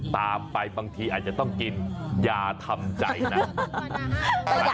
ตามไปบางทีอาจจะต้องกินอย่าทำใจนะ